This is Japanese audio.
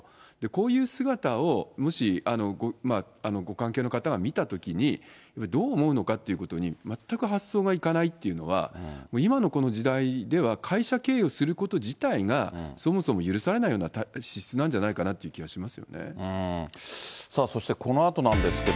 こういう姿をもし、ご関係の方が見たときに、どう思うのかっていうことに、全く発想がいかないというのは、今のこの時代では、会社経営をすること自体が、そもそも許されないような資質なんじゃないのかなという気がしま